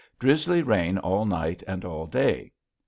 Drisly rain all night and all day.